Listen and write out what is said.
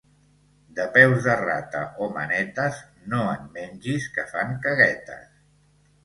De peus de rata o manetes no en mengis que fan caguetes.